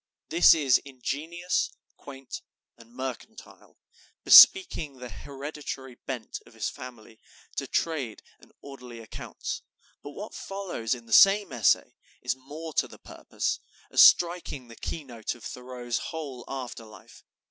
This is ingenious, quaint, and mercantile, bespeaking the hereditary bent of his family to trade and orderly accounts; but what follows in the same essay is more to the purpose, as striking the key note of Thoreau's whole after life.